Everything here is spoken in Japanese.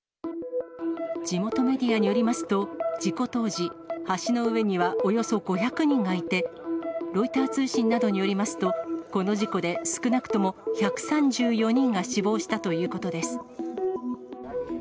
地元メディアによりますと、事故当時、橋の上にはおよそ５００人がいて、ロイター通信などによりますと、この事故で少なくとも１３４人が死亡したということです。